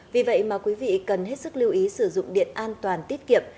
vì vậy mà quý vị cần hết sức lưu ý sử dụng điện an toàn tiết kiệm